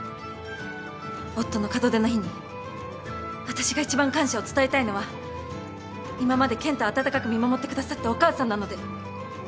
夫の門出の日に私が一番感謝を伝えたいのは今まで健太を温かく見守ってくださったお母さんなので。